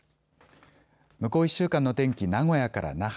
向こう１週間の天気、名古屋から那覇。